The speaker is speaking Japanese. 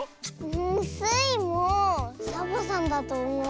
んスイもサボさんだとおもう。